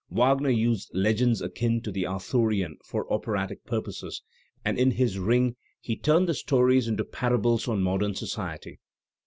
Wagner used legends akin to the Arthurian for operatic purposes, and in his Ring he turned the stories into parables on modern society.